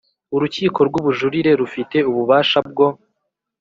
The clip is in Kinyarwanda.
Urukiko rw Ubujurire rufite ububasha bwo